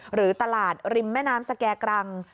หรือตลาดริมแม่น้ำสแก่กรัง